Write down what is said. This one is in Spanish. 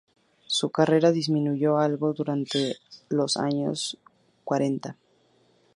Su carrera disminuyó algo durante los años cuarenta.